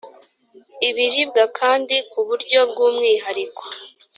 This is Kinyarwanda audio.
ibiribwa kandi ku buryo bw umwihariko